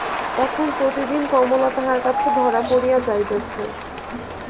এখন প্রতিদিন কমলা তাহার কাছে ধরা পড়িয়া যাইতেছে।